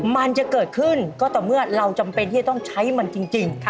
มันจะเกิดขึ้นก็ต่อเมื่อเราจำเป็นที่จะต้องใช้มันจริง